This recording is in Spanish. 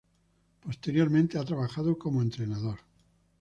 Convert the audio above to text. Posteriormente, ha trabajado como entrenador.